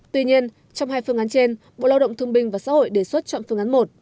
tuy nhiên trong hai phương án trên bộ lao động thương binh và xã hội đề xuất chọn phương án một